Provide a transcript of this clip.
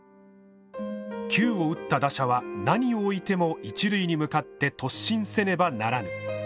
「球を打った打者は何をおいても一塁に向かって突進せねばならぬ」。